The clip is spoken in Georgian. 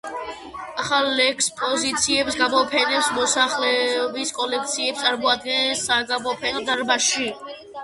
ახალ ექსპოზიციებს, გამოფენებს, მოსახლეების კოლექციებს წარმოადგენენ „საგამოფენო“ დარბაზში.